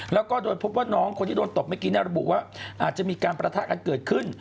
แล้วก็โดยพบว่าน้องคนที่โดนตบเมื่อกี้ระบุว่าอาจจะมีการประทะกันเกิดขึ้น